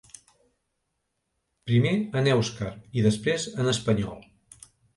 Primer en èuscar i després en espanyol.